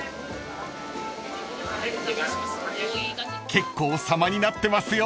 ［結構様になってますよ］